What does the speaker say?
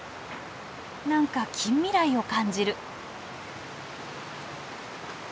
何か近未来を感じる。